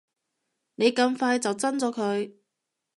你咁快就憎咗佢